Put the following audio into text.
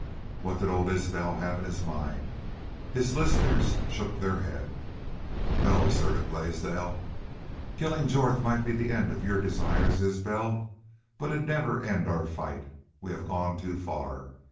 What did old Isbel have in his mind? His listeners shook their heads. "No," asserted Blaisdell. "Killin' Jorth might be the end of your desires, Isbel, but it 'd never end our fight. We'll have gone too far....